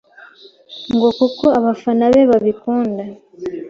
ngo kuko abafana be babikunda